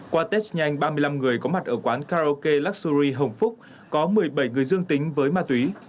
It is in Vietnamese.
qua test nhanh ba mươi năm người có mặt ở quán karaoke luxury hồng phúc có một mươi bảy người dương tính với ma túy